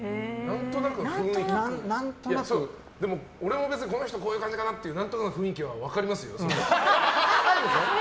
俺もこの人こういう感じかなっていう何となく雰囲気は分かりますよ。